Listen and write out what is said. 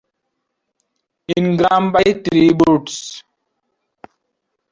Ingram by three votes.